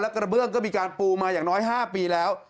กระเบื้องก็มีการปูมาอย่างน้อย๕ปีแล้ว